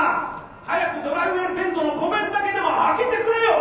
早くドライウェルベントの小弁だけでも開けてくれよ！」。